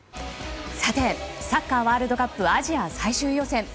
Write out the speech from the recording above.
サッカーワールドカップアジア最終予選。